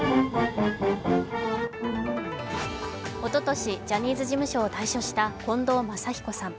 おととし、ジャニーズ事務所を退所した近藤真彦さん。